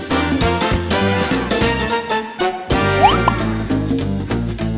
โปรดติดตามตอนต่อไป